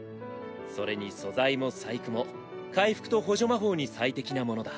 それに素材も細工も回復と補助魔法に最適なものだ。